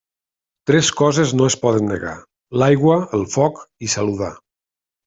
Tres coses no es poden negar: l'aigua, el foc i saludar.